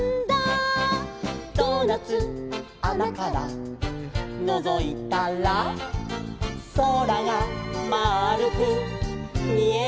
「ドーナツあなからのぞいたら」「そらがまあるくみえるんだ」